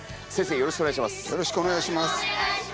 よろしくお願いします。